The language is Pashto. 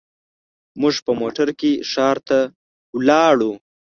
موږ په موټر کې ښار ته لاړو.